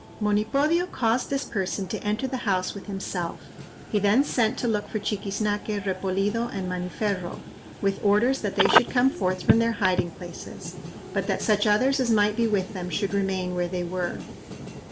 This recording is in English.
Monipodio caused this person to enter the house with himself; he then sent to look for Chiquiznaque, Repolido, and Maniferro, with orders that they should come forth from their hiding places, but that such others as might be with them should remain where they were.